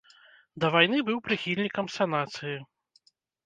Да вайны быў прыхільнікам санацыі.